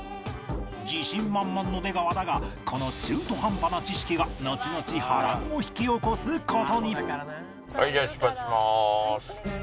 自信満々の出川だがこの中途半端な知識がのちのち波乱を引き起こす事にじゃあ出発しまーす。